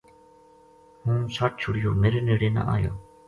ہوں سَٹ چھُڑیو میرے نیڑے نہ آیو